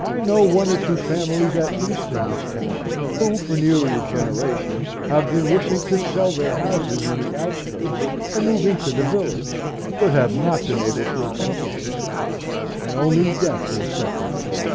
I know one or two families, at least, in this town, who, for nearly a generation, have been wishing to sell their houses in the outskirts and move into the village, but have not been able to accomplish it, and only death will set them free.